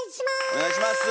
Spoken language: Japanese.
お願いします。